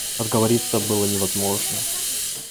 Отговориться было невозможно.